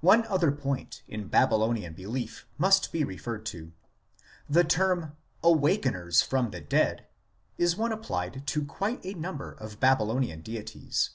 One other point in Babylonian belief must be referred to. The term " awakeners from the dead" is one applied to quite a number of Babylonian deities.